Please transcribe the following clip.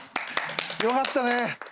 よかったね！